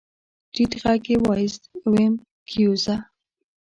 ټيټ غږ يې واېست ويم کېوځه.